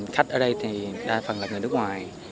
khách ở đây thì đa phần là người nước ngoài